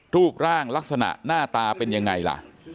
รูปร่างลักษณะหน้าตาเป็นยังไงล่ะ